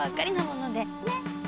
ねっ。